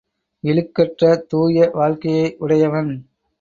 இழுக்கற்ற தூய வாழ்க்கையை உடையவன்.